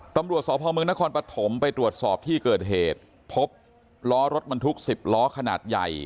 ตำรวจสพเมืองนครปฐมไปตรวจสอบที่เกิดเหตุพบล้อรถบรรทุก๑๐ล้อขนาดใหญ่